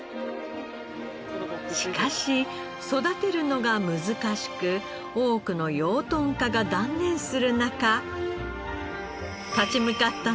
しかし育てるのが難しく多くの養豚家が断念する中立ち向かったのは元エリート金融マンでした。